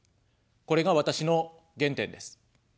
これが私の原点です。